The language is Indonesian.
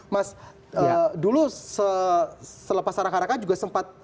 mas dulu selepas arah arahkan juga sempat